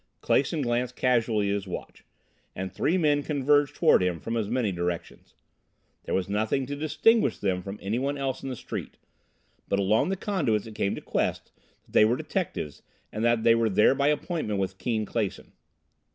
Clason glanced casually at his watch, and three men converged toward him from as many directions. There was nothing to distinguish them from anyone else in the street, but along the conduits it came to Quest that they were detectives and that they were there by appointment with Keane Clason.